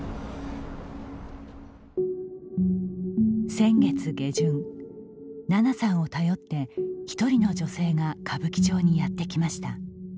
先月下旬、ななさんを頼って一人の女性が歌舞伎町にやってきました。